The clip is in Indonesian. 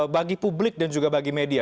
bagi publik dan juga bagi media